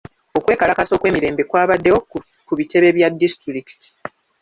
Okwekalakaasa okw'emirembe kwabaddewo ku bitebe bya disitulikiti.